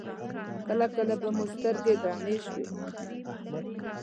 کله کله به مو سترګې درنې شوې.